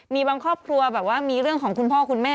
มีบางครอบครัวแบบว่ามีเรื่องของคุณพ่อคุณแม่